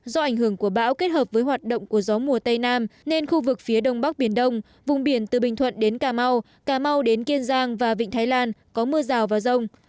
do ảnh hưởng của bão kết hợp với hoạt động của gió mùa tây nam nên khu vực phía đông bắc biển đông vùng biển từ bình thuận đến cà mau cà mau đến kiên giang và vịnh thái lan có mưa rào và rông